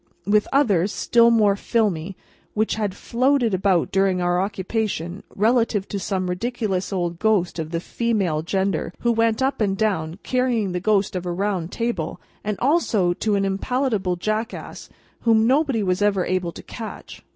with others, still more filmy, which had floated about during our occupation, relative to some ridiculous old ghost of the female gender who went up and down, carrying the ghost of a round table; and also to an impalpable Jackass, whom nobody was ever able to catch.